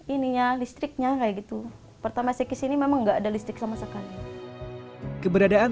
ininya listriknya kayak gitu pertama sekis ini memang enggak ada listrik sama sekali keberadaan